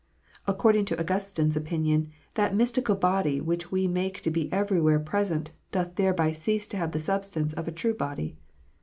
According to Augustine s opinion, that majestical body which we make to be everywhere present, doth thereby cease to have the substance of a true body."